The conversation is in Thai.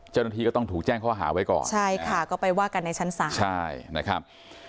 เจ้าหน้าที่ก็ต้องถูกแจ้งข้อหาไว้ก่อนใช่ค่ะก็ไปว่ากันในชั้นศาลใช่นะครับ